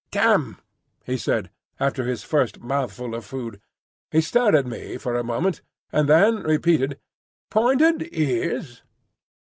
"Damn!" he said, over his first mouthful of food. He stared at me for a moment, and then repeated, "Pointed ears?"